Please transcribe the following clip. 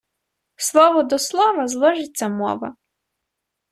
Слово до слова – зложиться мова.